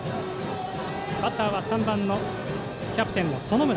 バッターは３番のキャプテンの園村。